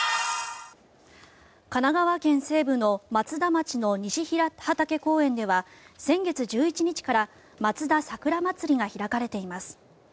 神奈川県西部の松田町の西平畑公園では先月１１日からまつだ桜まつりが開かれています。